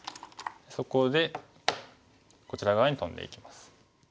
そこでこちら側にトンでいきます。